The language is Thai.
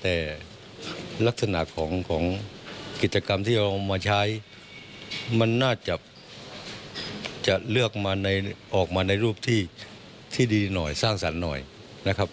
แต่ลักษณะของกิจกรรมที่เราเอามาใช้มันน่าจะเลือกมาออกมาในรูปที่ดีหน่อยสร้างสรรค์หน่อยนะครับ